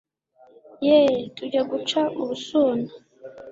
yeee tujya guca ubusuna